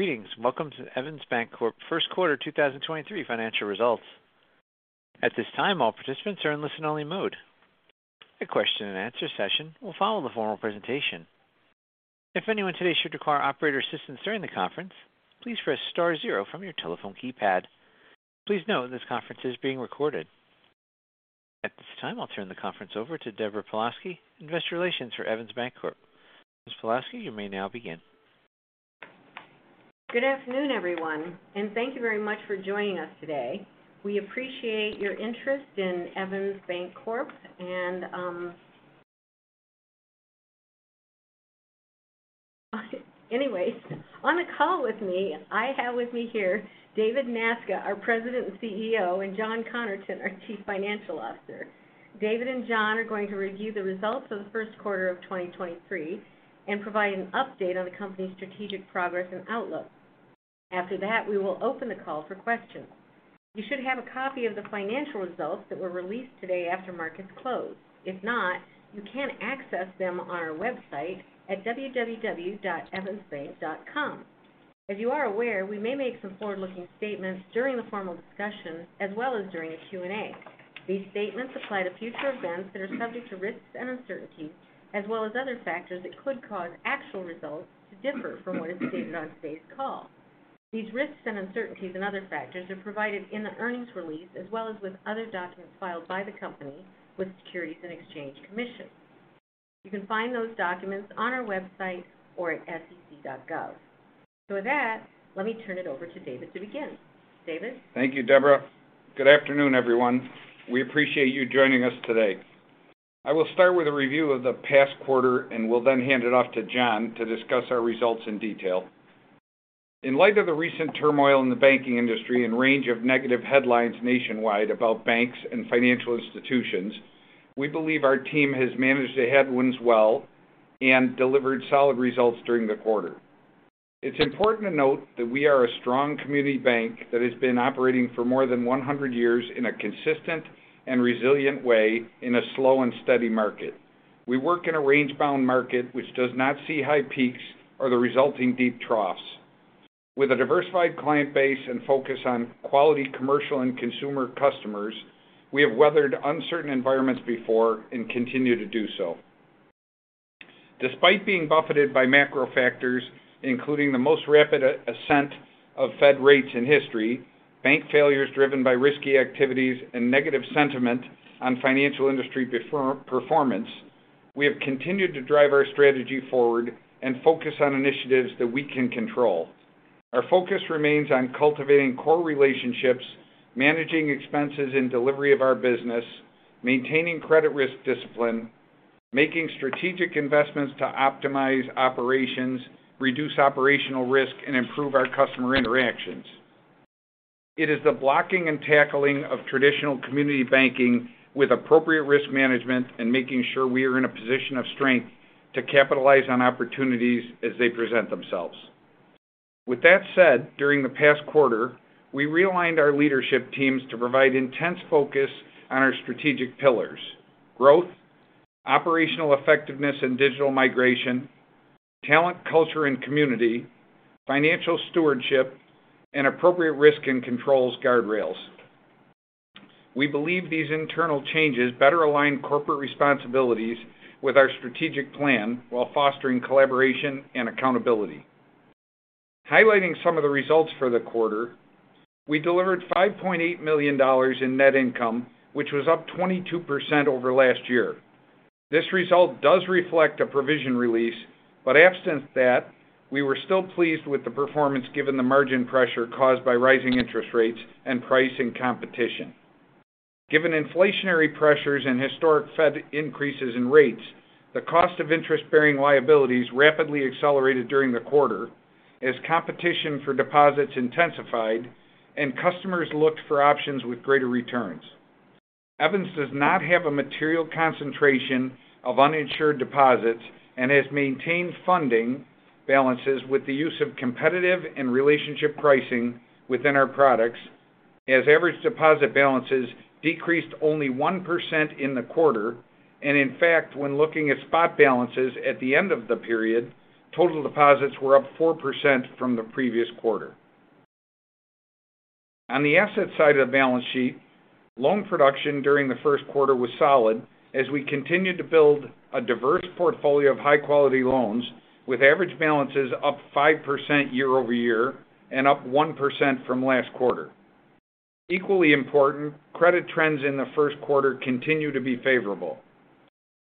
Greetings. Welcome to Evans Bancorp, Inc. First Quarter 2023 Financial Results. At this time, all participants are in listen-only mode. A question-and-answer session will follow the formal presentation. If anyone today should require operator assistance during the conference, please press star zero from your telephone keypad. Please note this conference is being recorded. At this time, I'll turn the conference over to Deborah Pawlowski, investor relations for Evans Bancorp, Inc. Ms. Pawlowski, you may now begin. Good afternoon, everyone. Thank you very much for joining us today. We appreciate your interest in Evans Bancorp, Inc. Anyways, on the call with me, I have with me here David Nasca, our President and CEO, and John Connerton, our Chief Financial Officer. David and John are going to review the results of the first quarter of 2023 and provide an update on the company's strategic progress and outlook. After that, we will open the call for questions. You should have a copy of the financial results that were released today after markets closed. If not, you can access them on our website at www.evansbank.com. As you are aware, we may make some forward-looking statements during the formal discussion as well as during a Q&A. These statements apply to future events that are subject to risks and uncertainties as well as other factors that could cause actual results to differ from what is stated on today's call. These risks and uncertainties and other factors are provided in the earnings release as well as with other documents filed by the company with Securities and Exchange Commission. You can find those documents on our website or at sec.gov. With that, let me turn it over to David to begin. David? Thank you, Deborah. Good afternoon, everyone. We appreciate you joining us today. I will start with a review of the past quarter and will then hand it off to John to discuss our results in detail. In light of the recent turmoil in the banking industry and range of negative headlines nationwide about banks and financial institutions, we believe our team has managed the headwinds well and delivered solid results during the quarter. It's important to note that we are a strong community bank that has been operating for more than 100 years in a consistent and resilient way in a slow and steady market. We work in a range-bound market which does not see high peaks or the resulting deep troughs. With a diversified client base and focus on quality commercial and consumer customers, we have weathered uncertain environments before and continue to do so. Despite being buffeted by macro factors, including the most rapid ascent of Fed rates in history, bank failures driven by risky activities, and negative sentiment on financial industry performance, we have continued to drive our strategy forward and focus on initiatives that we can control. Our focus remains on cultivating core relationships, managing expenses and delivery of our business, maintaining credit risk discipline, making strategic investments to optimize operations, reduce operational risk, and improve our customer interactions. It is the blocking and tackling of traditional community banking with appropriate risk management and making sure we are in a position of strength to capitalize on opportunities as they present themselves. With that said, during the past quarter, we realigned our leadership teams to provide intense focus on our strategic pillars: growth, operational effectiveness and digital migration, talent, culture and community, financial stewardship, and appropriate risk and controls guardrails. We believe these internal changes better align corporate responsibilities with our strategic plan while fostering collaboration and accountability. Highlighting some of the results for the quarter, we delivered $5.8 million in net income, which was up 22% over last year. Absent that, we were still pleased with the performance given the margin pressure caused by rising interest rates and pricing competition. Given inflationary pressures and historic Fed increases in rates, the cost of interest-bearing liabilities rapidly accelerated during the quarter as competition for deposits intensified and customers looked for options with greater returns. Evans does not have a material concentration of uninsured deposits and has maintained funding balances with the use of competitive and relationship pricing within our products as average deposit balances decreased only 1% in the quarter. In fact, when looking at spot balances at the end of the period, total deposits were up 4% from the previous quarter. On the asset side of the balance sheet, loan production during the first quarter was solid as we continued to build a diverse portfolio of high-quality loans with average balances up 5% year-over-year and up 1% from last quarter. Equally important, credit trends in the first quarter continue to be favorable.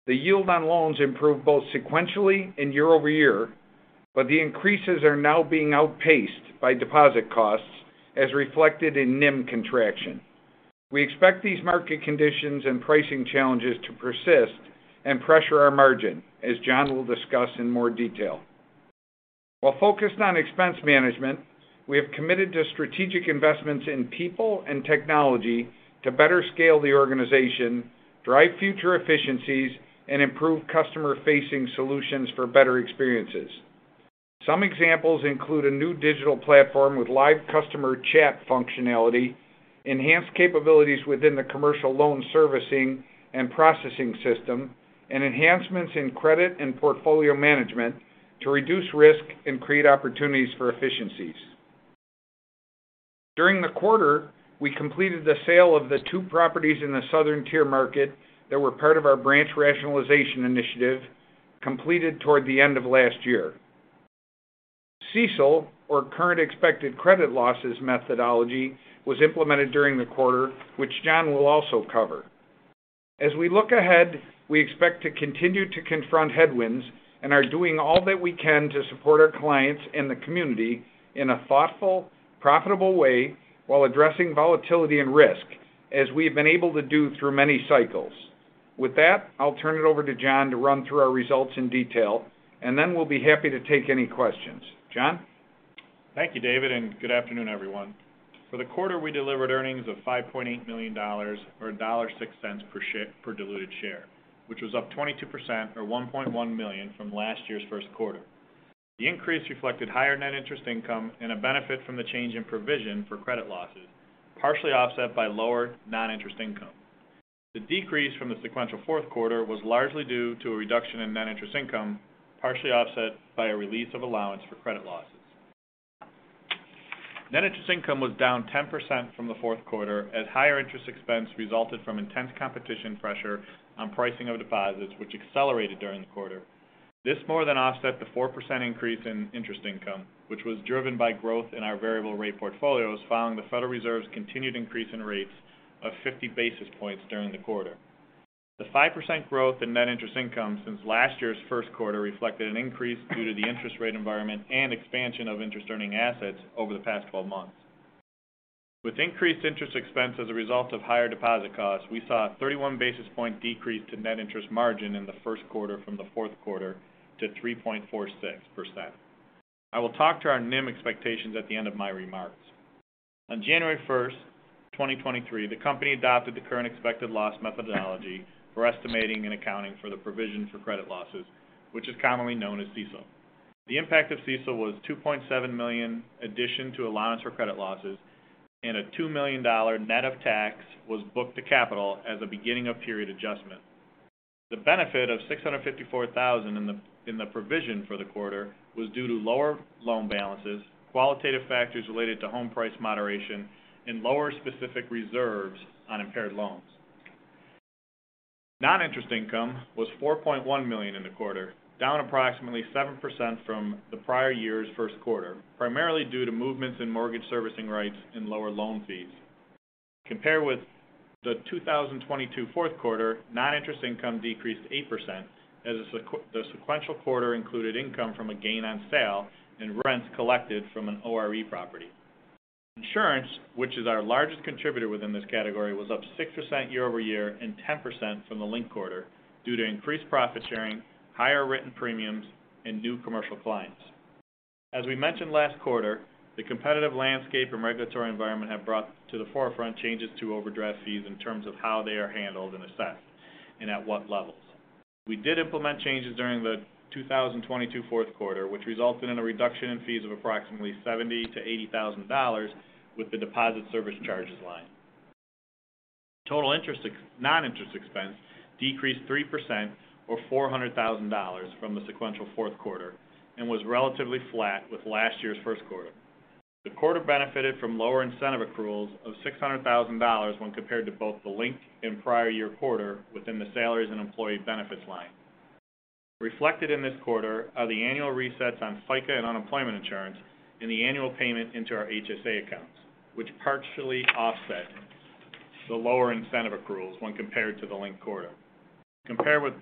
The yield on loans improved both sequentially and year-over-year, but the increases are now being outpaced by deposit costs, as reflected in NIM contraction. We expect these market conditions and pricing challenges to persist and pressure our margin, as John will discuss in more detail. While focused on expense management, we have committed to strategic investments in people and technology to better scale the organization, drive future efficiencies, and improve customer-facing solutions for better experiences. Some examples include a new digital platform with live customer chat functionality, enhanced capabilities within the commercial loan servicing and processing system and enhancements in credit and portfolio management to reduce risk and create opportunities for efficiencies. During the quarter, we completed the sale of the two properties in the southern tier market that were part of our branch rationalization initiative completed toward the end of last year. CECL, or Current Expected Credit Losses methodology, was implemented during the quarter, which John will also cover. As we look ahead, we expect to continue to confront headwinds and are doing all that we can to support our clients and the community in a thoughtful, profitable way while addressing volatility and risk as we have been able to do through many cycles. With that, I'll turn it over to John to run through our results in detail, and then we'll be happy to take any questions. John? Thank you, David. Good afternoon, everyone. For the quarter, we delivered earnings of $5.8 million or $1.06 per diluted share, which was up 22% or $1.1 million from last year's first quarter. The increase reflected higher net interest income and a benefit from the change in provision for credit losses, partially offset by lower non-interest income. The decrease from the sequential fourth quarter was largely due to a reduction in net interest income, partially offset by a release of allowance for credit losses. Net interest income was down 10% from the fourth quarter as higher interest expense resulted from intense competition pressure on pricing of deposits, which accelerated during the quarter. This more than offset the 4% increase in interest income, which was driven by growth in our variable rate portfolios following the Federal Reserve's continued increase in rates of 50 basis points during the quarter. The 5% growth in net interest income since last year's first quarter reflected an increase due to the interest rate environment and expansion of interest earning assets over the past 12 months. Increased interest expense as a result of higher deposit costs, we saw a 31 basis points decrease to net interest margin in the first quarter from the fourth quarter to 3.46%. I will talk to our NIM expectations at the end of my remarks. On 1 January 2023, the company adopted the current expected loss methodology for estimating and accounting for the provision for credit losses, which is commonly known as CECL. The impact of CECL was $2.7 million addition to allowance for credit losses, and a $2 million net of tax was booked to capital as a beginning of period adjustment. The benefit of $654,000 in the provision for the quarter was due to lower loan balances, qualitative factors related to home price moderation and lower specific reserves on impaired loans. Non-interest income was $4.1 million in the quarter, down approximately 7% from the prior year's first quarter, primarily due to movements in mortgage servicing rates and lower loan fees. Compared with the 2022 fourth quarter, non-interest income decreased 8% as the sequential quarter included income from a gain on sale and rents collected from an ORE property. Insurance, which is our largest contributor within this category, was up 6% year-over-year and 10% from the linked quarter due to increased profit sharing, higher written premiums, and new commercial clients. As we mentioned last quarter, the competitive landscape and regulatory environment have brought to the forefront changes to overdraft fees in terms of how they are handled and assessed and at what levels. We did implement changes during the 2022 fourth quarter, which resulted in a reduction in fees of approximately $70,000-$80,000 with the deposit service charges line. Total non-interest expense decreased 3% or $400,000 from the sequential fourth quarter and was relatively flat with last year's first quarter. The quarter benefited from lower incentive accruals of $600,000 when compared to both the linked and prior-year quarter within the salaries and employee benefits line. Reflected in this quarter are the annual resets on FICA and unemployment insurance and the annual payment into our HSA accounts, which partially offset the lower incentive accruals when compared to the linked quarter. Compared with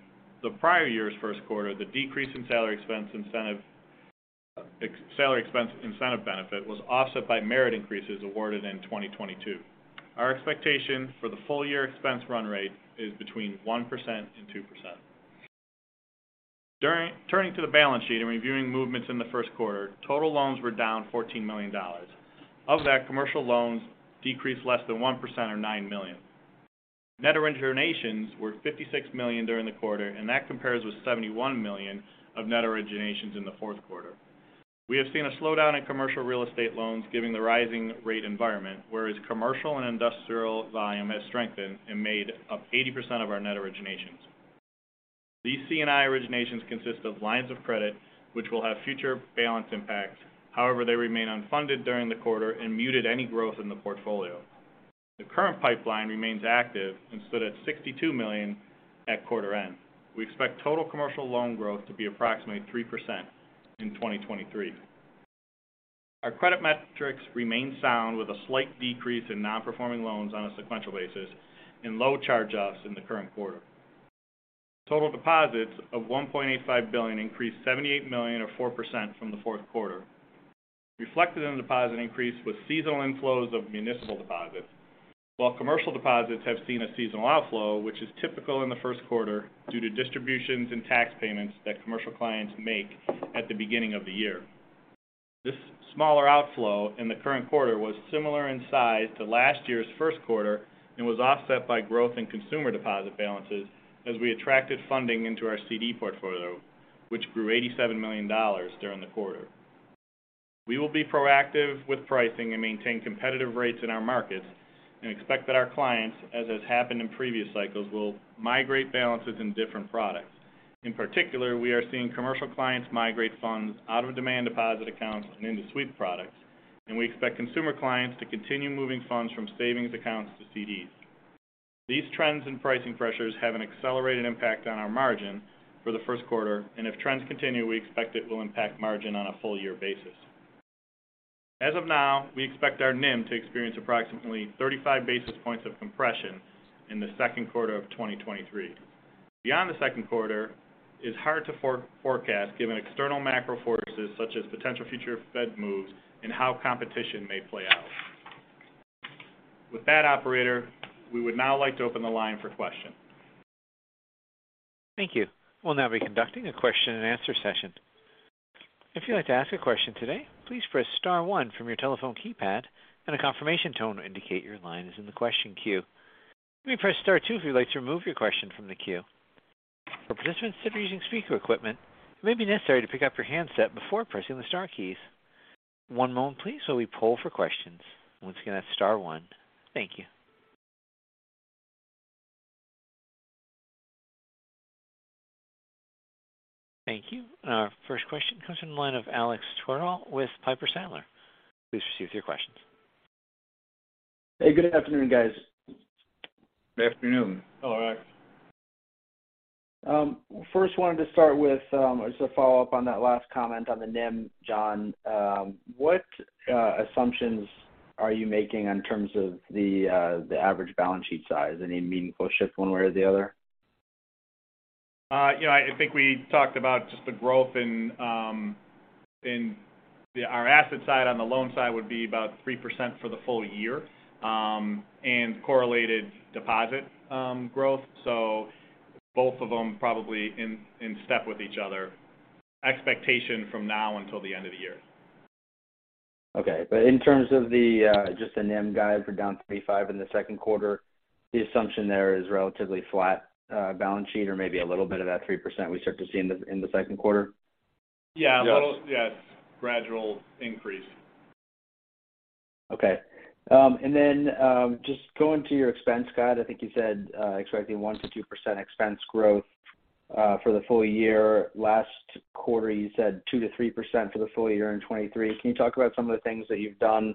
the prior-year's first quarter, the decrease in salary expense incentive benefit was offset by merit increases awarded in 2022. Our expectation for the full-year expense run rate is between 1% and 2%. Turning to the balance sheet and reviewing movements in the first quarter, total loans were down $14 million. Of that, commercial loans decreased less than 1% or $9 million. Net originations were $56 million during the quarter, that compares with $71 million of net originations in the fourth quarter. We have seen a slowdown in commercial real estate loans given the rising rate environment, whereas commercial and industrial volume has strengthened and made up 80% of our net originations. These C&I originations consist of lines of credit which will have future balance impacts. However, they remain unfunded during the quarter and muted any growth in the portfolio. The current pipeline remains active and stood at $62 million at quarter end. We expect total commercial loan growth to be approximately 3% in 2023. Our credit metrics remain sound with a slight decrease in non-performing loans on a sequential basis and low charge-offs in the current quarter. Total deposits of $1.85 billion increased $78 million or 4% from the fourth quarter. Reflected in the deposit increase was seasonal inflows of municipal deposits, while commercial deposits have seen a seasonal outflow, which is typical in the first quarter due to distributions and tax payments that commercial clients make at the beginning of the year. This smaller outflow in the current quarter was similar in size to last year's first quarter and was offset by growth in consumer deposit balances as we attracted funding into our CD portfolio, which grew $87 million during the quarter. We will be proactive with pricing and maintain competitive rates in our markets and expect that our clients, as has happened in previous cycles, will migrate balances in different products. In particular, we are seeing commercial clients migrate funds out of demand deposit accounts and into sweep products, and we expect consumer clients to continue moving funds from savings accounts to CDs. These trends and pricing pressures have an accelerated impact on our margin for the first quarter, and if trends continue, we expect it will impact margin on a full-year basis. As of now, we expect our NIM to experience approximately 35 basis points of compression in the second quarter of 2023. Beyond the second quarter is hard to forecast given external macro forces such as potential future Fed moves and how competition may play out. With that, operator, we would now like to open the line for questions. Thank you. We'll now be conducting a question-and-answer session. If you'd like to ask a question today, please press star one from your telephone keypad, and a confirmation tone will indicate your line is in the question queue. You may press star two if you'd like to remove your question from the queue. For participants that are using speaker equipment, it may be necessary to pick up your handset before pressing the star keys. One moment please while we poll for questions. Once again, that's star one. Thank you. Thank you. Our first question comes from the line of Alexander Twerdahl with Piper Sandler. Please proceed with your questions. Hey, good afternoon, guys. Good afternoon. Hello, Alex. First wanted to start with, just a follow-up on that last comment on the NIM, John. What assumptions are you making in terms of the average balance sheet size? Any meaningful shift one way or the other? You know, I think we talked about just the growth in our asset side on the loan side would be about 3% for the full-year, and correlated deposit growth. Both of them probably in step with each other. Expectation from now until the end of the year. In terms of the, just the NIM guide for down 35 in the second quarter, the assumption there is relatively flat, balance sheet or maybe a little bit of that 3% we start to see in the, in the second quarter? Yeah. A little, yeah, gradual increase. Okay. Just going to your expense guide, I think you said, expecting 1%-2% expense growth for the full-year. Last quarter, you said 2%-3% for the full-year in 2023. Can you talk about some of the things that you've done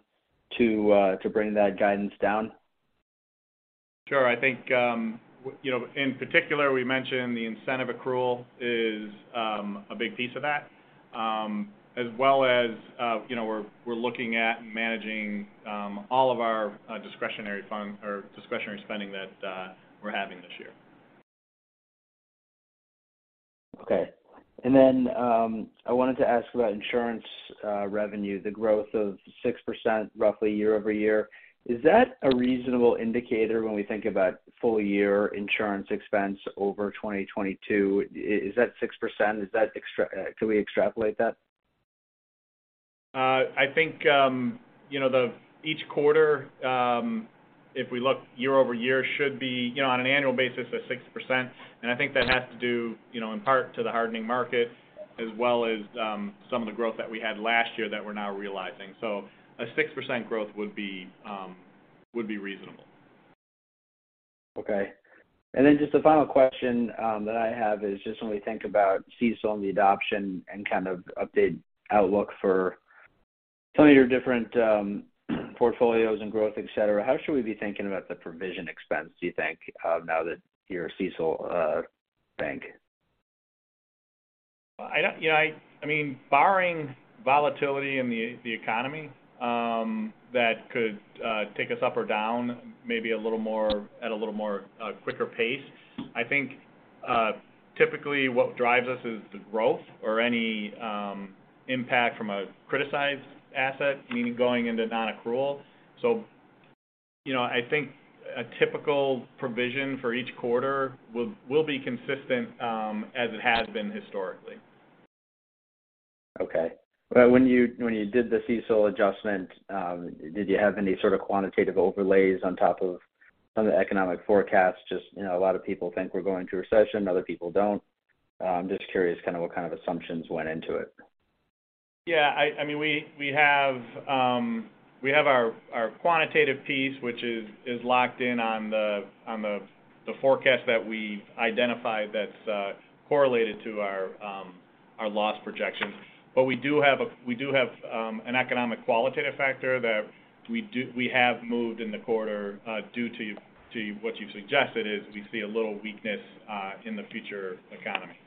to bring that guidance down? Sure. I think, you know, in particular, we mentioned the incentive accrual is a big piece of that, as well as, you know, we're looking at managing all of our discretionary funds or discretionary spending that we're having this year. Okay. I wanted to ask about insurance, revenue, the growth of 6% roughly year-over-year. Is that a reasonable indicator when we think about full-year insurance expense over 2022? Is that 6%? Can we extrapolate that? I think, you know, each quarter, if we look year-over-year should be, you know, on an annual basis a 6%. I think that has to do, you know, in part to the hardening market as well as, some of the growth that we had last year that we're now realizing. A 6% growth would be, would be reasonable. Okay. Just a final question that I have is just when we think about CECL and the adoption and kind of update outlook for some of your different portfolios and growth, et cetera, how should we be thinking about the provision expense, do you think, now that you're a CECL bank? I don't, you know, I mean, barring volatility in the economy, that could take us up or down maybe at a little more quicker pace. I think typically what drives us is the growth or any impact from a criticized asset going into non-accrual. You know, I think a typical provision for each quarter will be consistent as it has been historically. Okay. When you did the CECL adjustment, did you have any sort of quantitative overlays on top of some of the economic forecasts? Just, you know, a lot of people think we're going through a recession, other people don't. I'm just curious kind of what kind of assumptions went into it. I mean, we have our quantitative piece, which is locked in on the forecast that we've identified that's correlated to our loss projections. We do have an economic qualitative factor that we have moved in the quarter, due to what you've suggested is we see a little weakness in the future economy.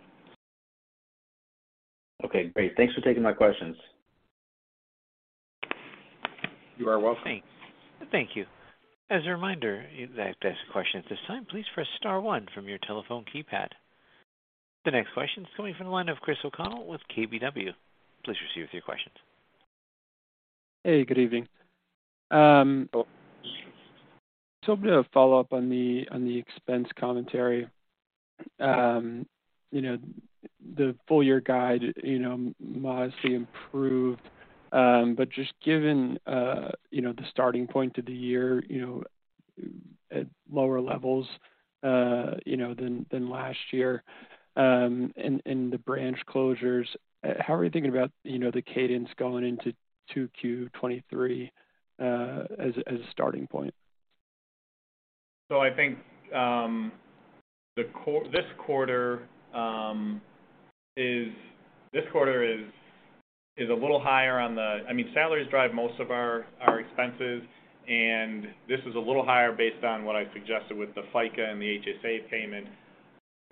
Okay, great. Thanks for taking my questions. You are welcome. Thank you. As a reminder, if you'd like to ask a question at this time, please press star one from your telephone keypad. The next question is coming from the line of Chris O'Connell with KBW. Please proceed with your questions. Hey, good evening. Just hoping to follow up on the expense commentary. You know, the full-year guide, you know, modestly improved. Just given the starting point of the year, at lower levels, you know, than last-year, and the branch closures, how are you thinking about, you know, the cadence going into 2Q 2023, as a starting point? I think this quarter is a little higher on the. I mean, salaries drive most of our expenses, and this is a little higher based on what I suggested with the FICA and the HSA payment.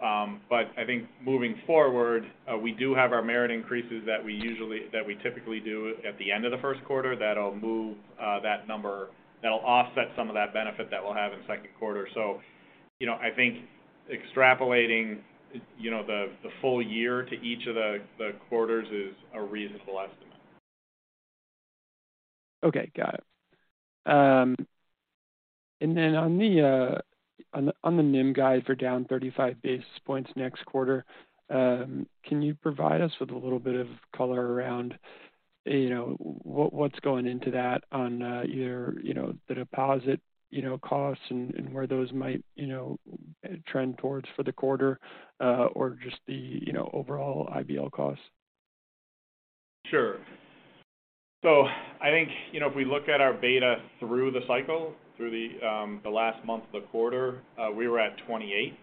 I think moving forward, we do have our merit increases that we typically do at the end of the first quarter that'll move that number. That'll offset some of that benefit that we'll have in second quarter. You know, I think extrapolating, you know, the full-year to each of the quarters is a reasonable estimate. Okay. Got it. On the NIM guide for down 35 basis points next quarter, can you provide us with a little bit of color around, you know, what's going into that on either, you know, the deposit, you know, costs and where those might, you know, trend towards for the quarter, or just the, you know, overall IBL costs? Sure. I think, you know, if we look at our beta through the cycle, through the last month of the quarter, we were at 28.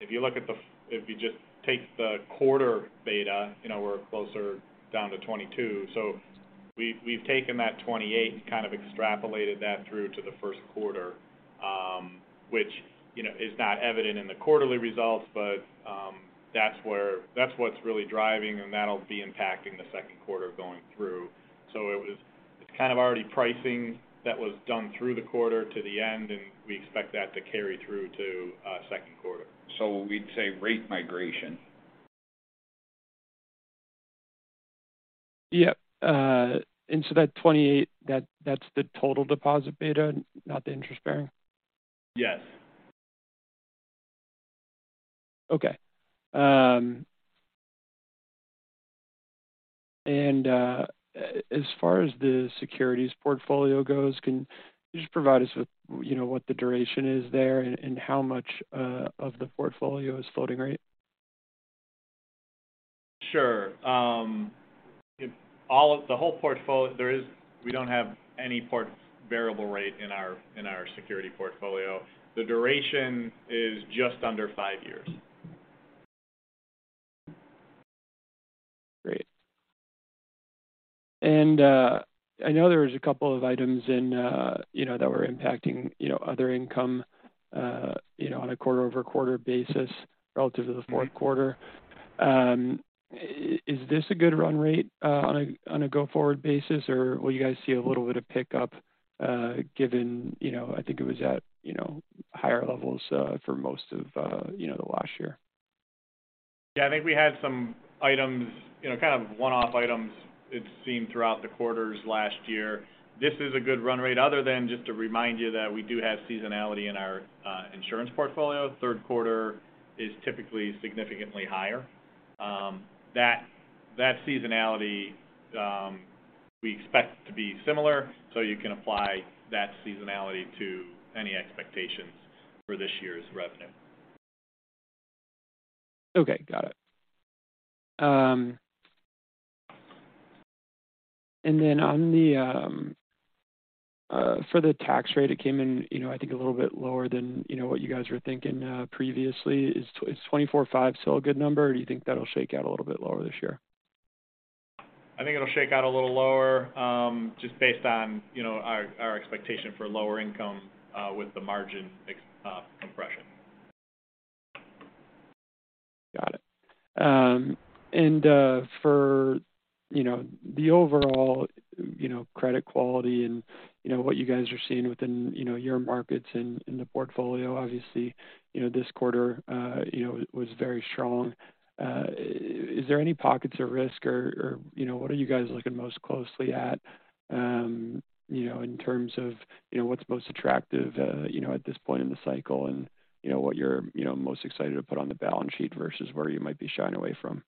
If you look at if you just take the quarter beta, you know, we're closer down to 22. We've, we've taken that 28 and kind of extrapolated that through to the first quarter, which, you know, is not evident in the quarterly results, but that's what's really driving and that'll be impacting the second quarter going through. It's kind of already pricing that was done through the quarter to the end, and we expect that to carry through to second quarter. We'd say rate migration. Yeah. that 28, that's the total deposit beta, not the interest bearing? Yes. Okay. As far as the securities portfolio goes, can you just provide us with, you know, what the duration is there and how much of the portfolio is floating rate? Sure. We don't have any variable rate in our security portfolio. The duration is just under five years. Great. I know there was a couple of items in, you know, that were impacting, you know, other income, you know, on a quarter-over-quarter basis relative to the fourth quarter. Is this a good run rate, on a go-forward basis, or will you guys see a little bit of pickup, given, you know, I think it was at, you know, higher levels, for most of, you know, the last year? I think we had some items, you know, kind of one off items it seemed throughout the quarters last year. This is a good run rate other than just to remind you that we do have seasonality in our insurance portfolio. Third quarter is typically significantly higher. That seasonality, we expect to be similar, so you can apply that seasonality to any expectations for this year's revenue. Okay. Got it. On the for the tax rate, it came in, you know, I think a little bit lower than, you know, what you guys were thinking, previously. Is 24.5% still a good number, or you think that'll shake out a little bit lower this year? I think it'll shake out a little lower, just based on, you know, our expectation for lower income, with the margin compression. Got it. For, you know, the overall, you know, credit quality and, you know, what you guys are seeing within, you know, your markets in the portfolio. Obviously, you know, this quarter, you know, was very strong. Is there any pockets or risk or, you know, what are you guys looking most closely at, you know, in terms of, you know, what's most attractive, you know, at this point in the cycle and, you know, what you're, you know, most excited to put on the balance sheet versus where you might be shying away from?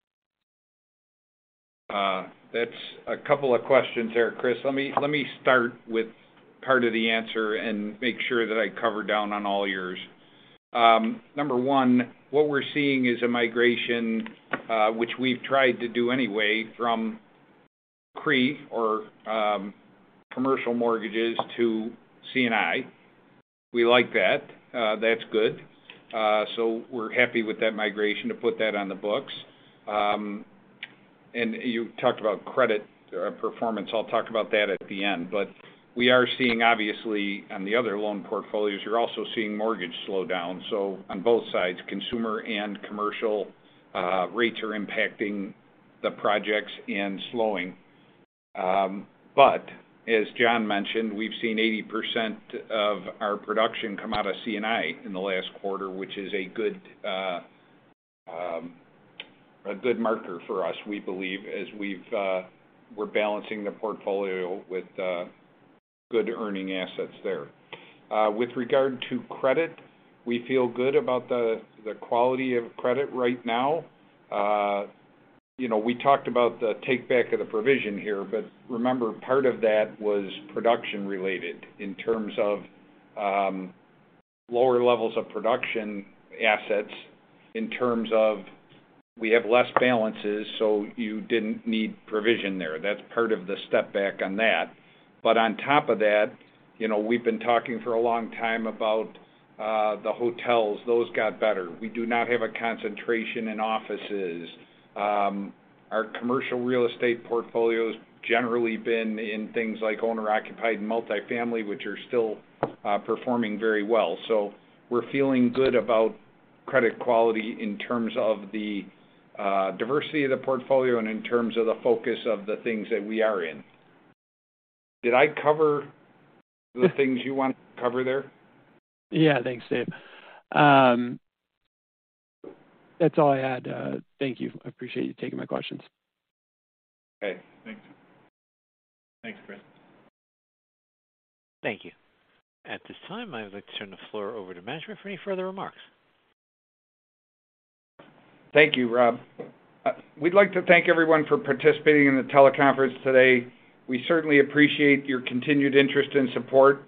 That's a couple of questions there, Chris. Let me start with part of the answer and make sure that I cover down on all yours. Number one, what we're seeing is a migration, which we've tried to do anyway from CRE or commercial mortgages to C&I. We like that. That's good. So we're happy with that migration to put that on the books. You talked about credit or performance. I'll talk about that at the end. We are seeing obviously on the other loan portfolios, you're also seeing mortgage slow down. On both sides, consumer and commercial, rates are impacting the projects and slowing. As John mentioned, we've seen 80% of our production come out of C&I in the last quarter, which is a good marker for us, we believe, as we're balancing the portfolio with good earning assets there. With regard to credit, we feel good about the quality of credit right now. You know, we talked about the takeback of the provision here, remember, part of that was production related in terms of lower levels of production assets in terms of we have less balances, so you didn't need provision there. That's part of the step back on that. On top of that, you know, we've been talking for a long time about the hotels. Those got better. We do not have a concentration in offices. Our commercial real estate portfolio has generally been in things like owner occupied and multifamily, which are still performing very well. We're feeling good about credit quality in terms of the diversity of the portfolio and in terms of the focus of the things that we are in. Did I cover the things you wanted to cover there? Thanks, Dave. That's all I had. Thank you. I appreciate you taking my questions. Okay. Thanks. Thanks, Chris. Thank you. At this time, I would like to turn the floor over to management for any further remarks. Thank you, Rob. We'd like to thank everyone for participating in the teleconference today. We certainly appreciate your continued interest and support.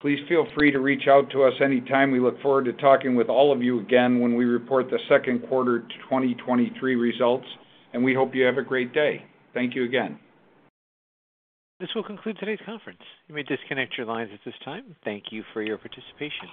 Please feel free to reach out to us anytime. We look forward to talking with all of you again when we report the second quarter 2023 results. We hope you have a great day. Thank you again. This will conclude today's conference. You may disconnect your lines at this time. Thank you for your participation.